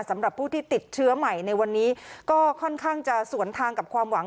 สำหรับผู้ที่ติดเชื้อใหม่ในวันนี้ก็ค่อนข้างจะสวนทางกับความหวัง